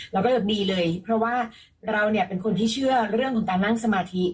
เราจะดีเลยเพราะว่าเราเนี่ยเป็นคนที่เชื่อเรื่องของการนั่งสมาธิ